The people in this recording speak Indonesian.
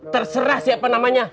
terserah siapa namanya